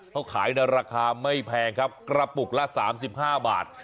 เขาขายในราคาไม่แพงครับกระปุกละ๓๕บาท